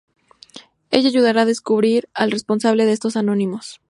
Ella ayudará a descubrir al responsable de estos anónimos.